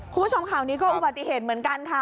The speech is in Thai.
คุณผู้ชมข่าวนี้ก็อุบัติเหตุเหมือนกันค่ะ